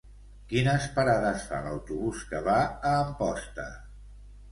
Quines parades fa l'autobús que va a Amposta?